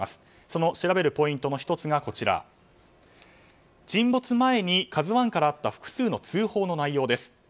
その調べるポイントの１つが沈没前に「ＫＡＺＵ１」からあった複数の通報の内容です。